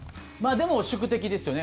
でも宿敵ですよね。